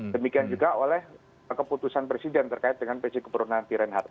demikian juga oleh keputusan presiden terkait dengan pc gubernur nanti reinhardt